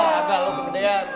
atau lu kegedean